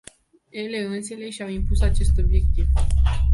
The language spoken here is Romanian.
Ele însele și-au impus acest obiectiv.